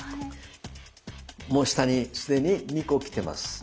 もう下に既に２個来てます。